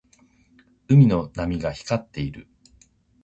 海の波が光っている。